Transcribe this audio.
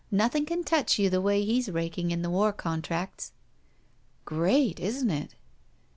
Nothing can touch you the way he's raking in the war contracts." "Great— isn't it?"